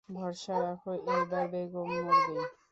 ভরসা রাখো, এইবার বেগম মরবেই।